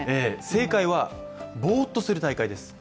正解は、ぼーっとする大会です。